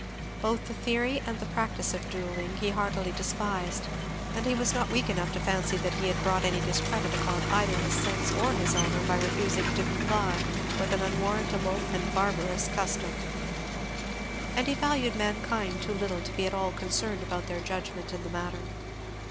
Both the theory and the practice of duelling he heartily despised, and he was not weak enough to fancy that he had brought any discredit upon either his sense or his honour by refusing to comply with an unwarrantable and barbarous custom. And he valued mankind too little to be at all concerned about their judgment in the matter.